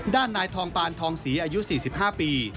ด้านนายทองปานทองศรีอายุ๔๕ปี